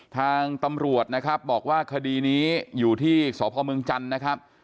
ทางตำรวจนะครับบอกว่าคดีนี้อยู่ที่สพเมืองจันทร์นะครับ